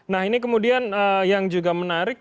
nah ini kemudian yang juga menarik